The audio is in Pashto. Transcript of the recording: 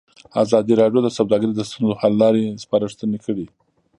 ازادي راډیو د سوداګري د ستونزو حل لارې سپارښتنې کړي.